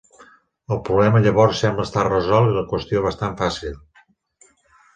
El problema llavors sembla estar resolt i la qüestió bastant fàcil.